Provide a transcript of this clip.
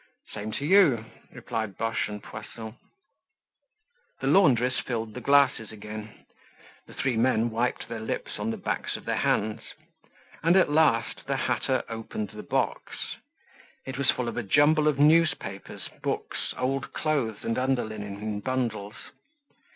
"Same to you," replied Boche and Poisson. The laundress filled the glasses again. The three men wiped their lips on the backs of their hands. And at last the hatter opened the box. It was full of a jumble of newspapers, books, old clothes and underlinen, in bundles.